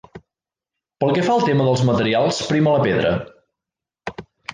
Pel que fa al tema dels materials prima la pedra.